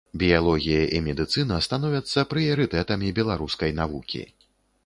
Біялогія і медыцына становяцца прыярытэтамі беларускай навукі.